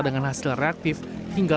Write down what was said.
dengan hasil reaktif hingga